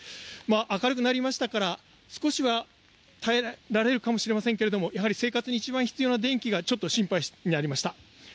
明るくなりましたから少しは耐えられるかもしれませんが生活に一番必要な電気がちょっと心配になりました。